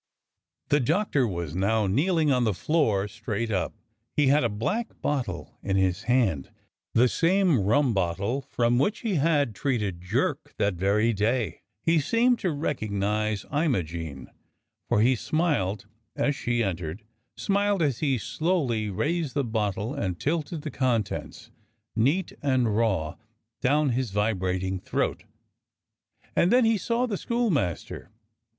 The Doctor was now kneeling on the floor straight up. He had a black bottle in his hand; the same rum bottle from which he had treated Jerk that very day. He seemed to recognize Imogene, for he smiled as she en tered, smiled as he slowly raised the bottle and tilted the contents, neat and raw, down his vibrating throat. And then he saw the schoolmaster.